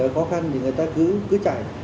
có khăn thì người ta cứ chạy